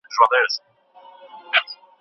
که مهارت نه وي دنده موندل ستونزمن دي.